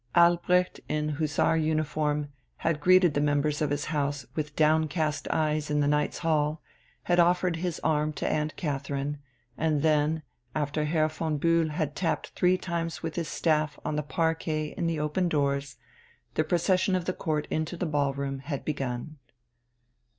Albrecht, in hussar uniform, had greeted the members of his House with down cast eyes in the Knights' Hall, had offered his arm to Aunt Catherine, and then, after Herr von Bühl had tapped three times with his staff on the parquet in the open doors, the procession of the Court into the ballroom had begun.